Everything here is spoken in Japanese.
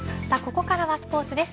ここからスポーツです。